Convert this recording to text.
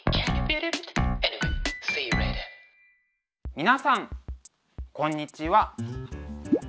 皆さんこんにちは。